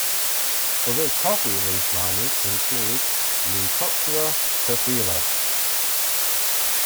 Other coffee leafminers include "Leucoptera coffeella".